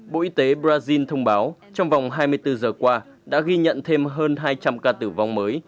bộ y tế brazil thông báo trong vòng hai mươi bốn giờ qua đã ghi nhận thêm hơn hai trăm linh ca tử vong mới